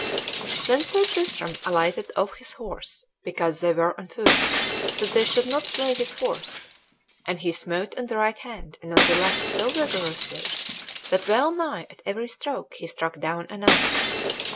Then Sir Tristram alighted off his horse, because they were on foot, that they should not slay his horse. And he smote on the right hand and on the left so vigorously that well nigh at every stroke he struck down a knight.